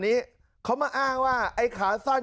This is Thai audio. นักเรียงมัธยมจะกลับบ้าน